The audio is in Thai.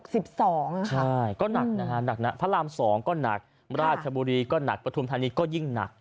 ใช่ก็หนักนะฮะหนักนะพระรามสองก็หนักราชบุรีก็หนักปฐุมธานีก็ยิ่งหนัก